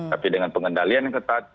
tapi dengan pengendalian yang ketat